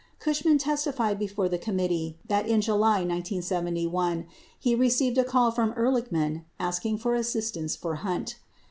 Cushman testified before the committee that in July 1971 he received a call from Ehrlichman asking for assistance for Hunt.